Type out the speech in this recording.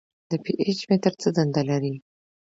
د پي ایچ متر څه دنده لري.